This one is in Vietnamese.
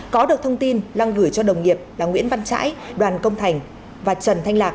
có được thông tin long gửi cho đồng nghiệp là nguyễn văn trãi đoàn công thành và trần thanh lạc